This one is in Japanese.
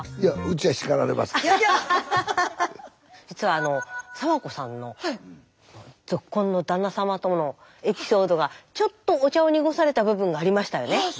実はあの早和子さんのぞっこんの旦那さまとのエピソードがちょっとお茶を濁された部分がありましたよね。